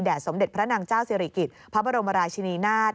สมเด็จพระนางเจ้าสิริกิจพระบรมราชินีนาฏ